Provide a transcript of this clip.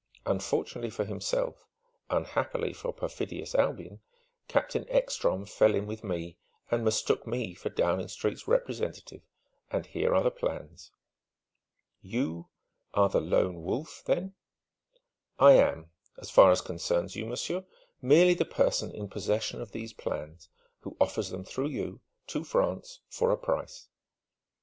Unfortunately for himself unhappily for perfidious Albion! Captain Ekstrom fell in with me and mistook me for Downing Street's representative. And here are the plans." "You are the Lone Wolf then?" "I am, as far as concerns you, monsieur, merely the person in possession of these plans, who offers them through you, to France, for a price."